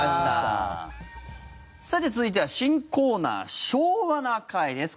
さて、続いては新コーナー「昭和な会」です。